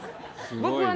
僕はね